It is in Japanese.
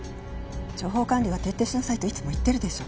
情報管理は徹底しなさいといつも言ってるでしょ。